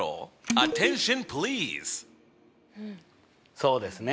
そうですね。